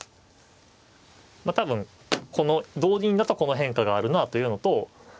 まあ多分同銀だとこの変化があるなというのと。